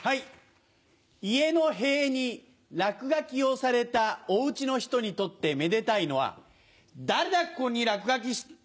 家の塀に落書きをされたお家の人にとってめでたいのは誰だここに落書き。